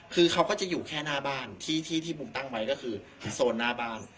คือเขาก็จะอยู่แค่หน้าบ้านที่ที่บุ๋มตั้งไว้ก็คือโซนหน้าบ้าน